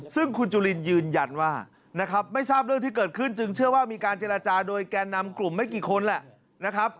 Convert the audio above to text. ซึ่งคุณจุลินยืนยันว่านะครับไม่ทราบเรื่องที่เกิดขึ้นจึงเชื่อว่ามีการเจรจาโดยแก่นำกลุ่มไม่กี่คนแหละนะครับ